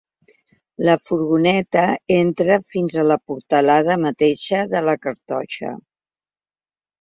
La furgoneta entra fins a la portalada mateixa de la cartoixa.